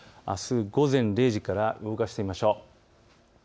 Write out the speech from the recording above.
あす午前０時から動かしてみましょう。